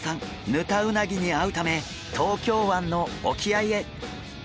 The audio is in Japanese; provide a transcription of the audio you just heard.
ヌタウナギに会うため東京湾の沖合へ。